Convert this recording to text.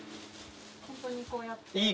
ここにこうやって。